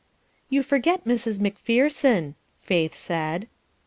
"You forget Mrs. Macpherson," Faith said.